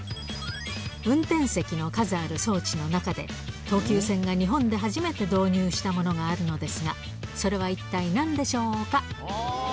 運転席の数ある装置の中で、東急線が日本で初めて導入したものがあるのですが、それは一体なんでしょうか。